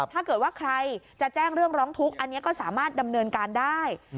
ถ้าเกิดว่าใครจะแจ้งเรื่องร้องทุกข์อันนี้ก็สามารถดำเนินการได้